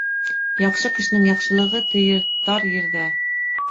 Яҡшы кешенең яҡшылығы тейер тар ерҙә